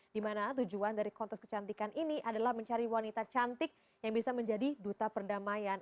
dimana tujuan dari kontes kecantikan ini adalah mencari wanita cantik yang bisa menjadi duta perdamaian